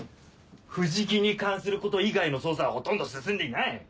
藤木に関すること以外の捜査はほとんど進んでいない。